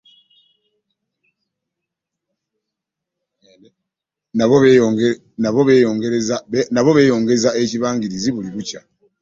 Nabo beeyongeza ekibangirizi buli olukya.